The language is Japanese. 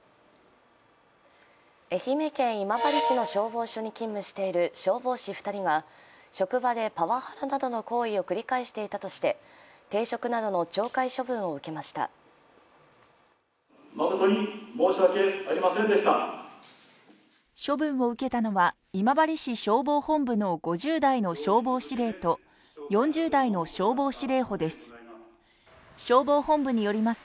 愛媛県今治市の消防署に勤務している消防士２人が、職場でパワハラなどの行為を繰り返していたとして停職などの懲戒処分を受けました処分を受けたのは今治市消防本部の５０代の消防司令と４０代の消防司令補です。